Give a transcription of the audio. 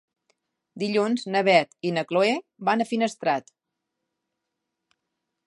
Dilluns na Beth i na Chloé van a Finestrat.